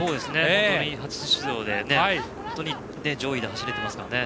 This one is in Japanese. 初出場で本当に上位で走れていますからね。